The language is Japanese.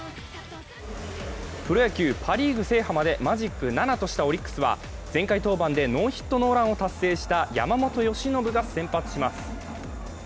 プロ野球、パ・リーグ制覇までマジック７としたオリックスは、前回登板でノーヒットノーランを達成した山本由伸が先発します。